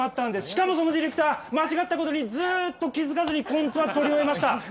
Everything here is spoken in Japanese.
しかもそのディレクター間違ったことにずっと気付かずにコントは撮り終えました。